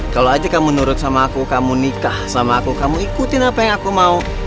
kalau aja kamu nurut sama aku kamu nikah sama aku kamu ikutin apa yang aku mau